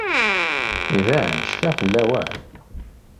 Iban cfiɣ fell-awen.